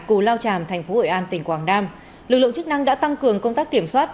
cù lao tràm thành phố hội an tỉnh quảng nam lực lượng chức năng đã tăng cường công tác kiểm soát